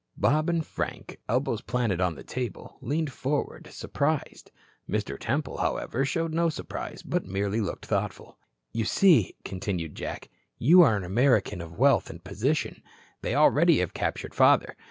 Bob and Frank, elbows planted on the table, leaned forward surprised. Mr. Temple, however, showed no surprise, but merely looked thoughtful. "You see," continued Jack, "you are an American of wealth and position. They already have captured father.